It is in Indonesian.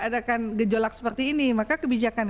adakan gejolak seperti ini maka kebijakan